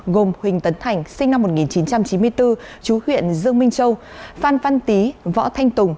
gồm huỳnh tấn thành sinh năm một nghìn chín trăm chín mươi bốn chú huyện dương minh châu phan văn tý võ thanh tùng